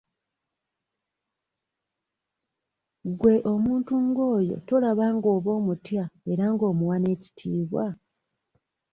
Ggwe omuntu ng'oyo tolaba ng'oba omutya era ng'omuwa n'ekitiibwa?